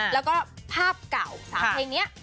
แล้วก็ภาพเก่า๓เพลงนี้